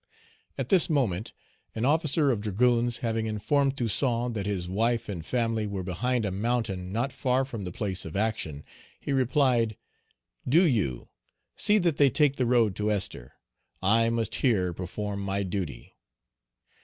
At this moment an officer of dragoons having informed Toussaint that his wife and family were behind a mountain not far from the place of action, he replied, "Do you see that they take the road to Esther; I must here perform my duty."